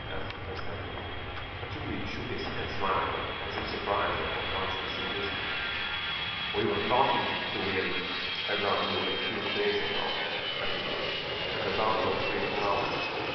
asked Prince Andrew. Kochubéy shook his head smilingly, as if surprised at Bolkónski's simplicity. "We were talking to him about you a few days ago," Kochubéy continued, "and about your freed plowmen."